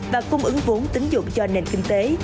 và cung ứng vốn tính dụng cho nền kinh tế